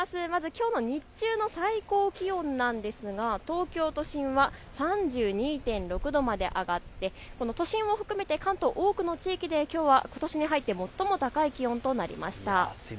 きょうの日中の最高気温なんですが東京都心は３２．６度まで上がって都心を含めて関東多くの地域できょうはことしに入って最も高い気温となりました。